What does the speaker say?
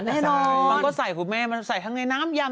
แล้วก็ใส่คุณแม่มันใส่ทั้งในน้ำยำ